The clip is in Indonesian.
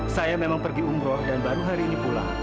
saya memang pergi umroh dan baru hari ini pulang